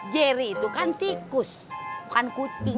jeri itu kan tikus bukan kucing